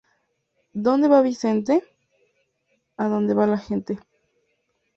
¿Dónde va Vicente? Adonde va la gente